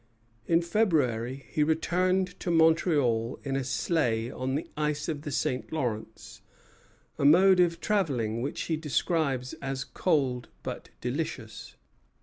In February he returned to Montreal in a sleigh on the ice of the St. Lawrence, a mode of travelling which he describes as cold but delicious.